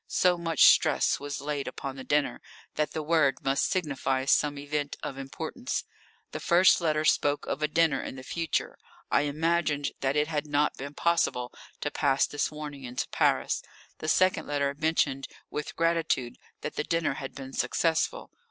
So much stress was laid upon the dinner, that the word must signify some event of importance. The first letter spoke of a dinner in the future. I imagined that it had not been possible to pass this warning into Paris. The second letter mentioned with gratitude that the dinner had been successful.